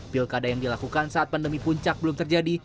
pilkada yang dilakukan saat pandemi puncak belum terjadi